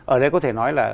ở đây có thể nói là